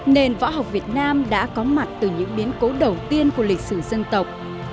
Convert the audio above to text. nền võ học việt nam đã có mặt từ những biến cố đầu tiên của lịch sử dân tộc